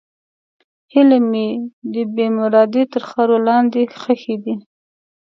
هیلې مې د بېمرادۍ تر خاورو لاندې ښخې دي.